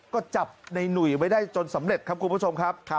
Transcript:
ก็จับในหนุ่ยไว้ได้จนสำเร็จครับคุณผู้ชมครับ